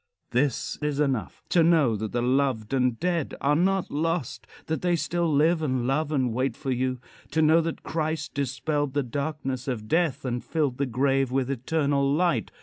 This is enough: To know that the loved and dead are not lost; that they still live and love and wait for you. To know that Christ dispelled the darkness of death and filled the grave with eternal light.